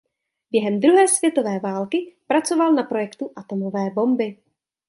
Během druhé světové války pracoval na projektu atomové bomby.